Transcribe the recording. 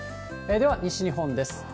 では西日本です。